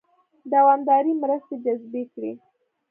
دوامدارې مرستې جذبې کړي.